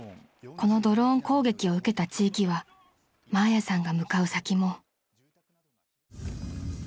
［このドローン攻撃を受けた地域はマーヤさんが向かう先も］